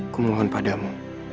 ku mohon padamu